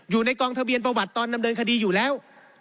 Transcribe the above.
อยู่ในกองทะเบียนประวัติตอนดำเนินคดีอยู่แล้ว